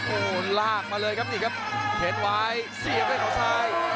โอ้โหลากมาเลยครับนี่ครับเข็นไว้เสียบด้วยเขาซ้าย